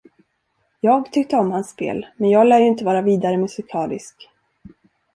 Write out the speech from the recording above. Jag tyckte om hans spel, men jag lär ju inte vara vidare musikalisk.